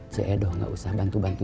cee doh gak usah bantu bantu